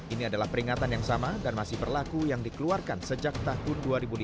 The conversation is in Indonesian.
ini adalah peringatan yang sama dan masih berlaku yang dikeluarkan sejak tahun dua ribu lima belas